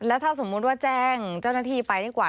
แล้วถ้าสมมุติว่าแจ้งเจ้าหน้าที่ไปดีกว่า